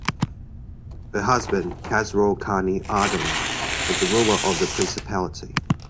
Her husband, "Khasraw Khani Ardalan" was the ruler of the principality.